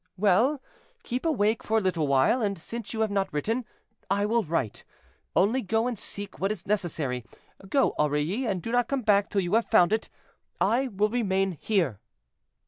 "Well, keep awake for a little while, and, since you have not written, I will write; only go and seek what is necessary. Go, Aurilly, and do not come back till you have found it; I will remain here."